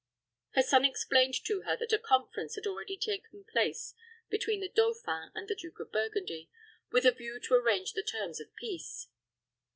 Her son explained to her that a conference had already taken place between the dauphin and the Duke of Burgundy, with a view to arrange the terms of peace.